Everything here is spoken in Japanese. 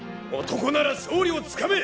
男なら勝利をつかめ！